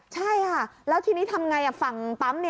ใช่แล้วทีนี้ทำอย่างไรฝั่งปั๊ม